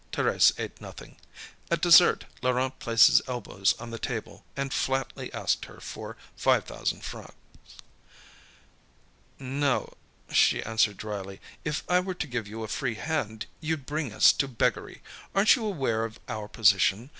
Thérèse ate nothing. At dessert Laurent placed his elbows on the table, and flatly asked her for 5,000 francs. "No," she answered dryly. "If I were to give you a free hand, you'd bring us to beggary. Aren't you aware of our position?